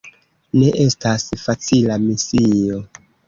Ne estas facila misio!